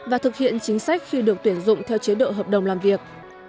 và thực hiện chính sách khi được tuyển dụng theo chế độ hợp đồng làm việc